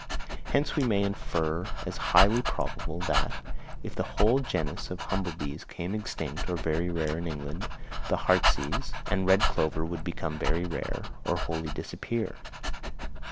Hence we may infer as highly probable that, if the whole genus of humble bees became extinct or very rare in England, the heartsease and red clover would become very rare, or wholly disappear.